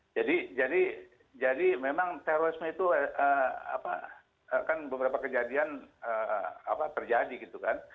memang terorisme itu kan beberapa kejadian terjadi gitu kan